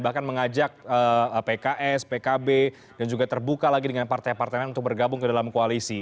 bahkan mengajak pks pkb dan juga terbuka lagi dengan partai partai lain untuk bergabung ke dalam koalisi